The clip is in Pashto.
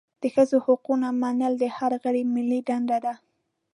د ښځو حقونه منل د هر غړي ملي دنده ده.